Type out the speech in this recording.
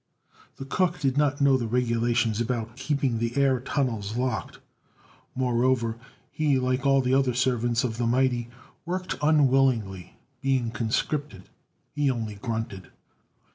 The cook did not know the regulations about keeping the air tunnels locked. Moreover, he, like all other servants of the mighty, worked unwillingly, being conscripted. He only grunted.